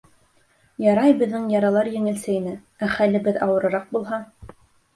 Ярай, беҙҙең яралар еңелсә ине, ә хәлебеҙ ауырыраҡ булһа?